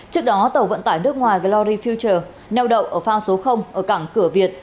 trước đó tàu vận tải nước ngoài glory future neo đậu ở phang số ở cảng cửa việt